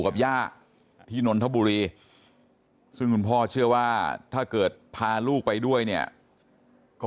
กับย่าที่นนทบุรีซึ่งคุณพ่อเชื่อว่าถ้าเกิดพาลูกไปด้วยเนี่ยก็